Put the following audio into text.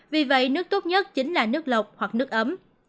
vì vậy nước tốt nhất chính là nước lọc hoặc nước ấm